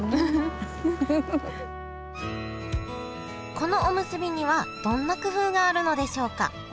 このおむすびにはどんな工夫があるのでしょうか？